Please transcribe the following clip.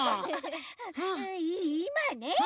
いいまね